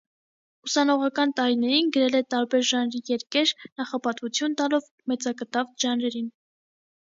Ուսանողական տարիներին գրել է տարբեր ժանրի երկեր՝ նախապատվություն տալով մեծակտավ ժանրերին։